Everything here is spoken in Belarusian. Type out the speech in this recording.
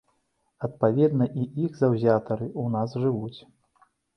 Адпаведна, і іх заўзятары ў нас жывуць.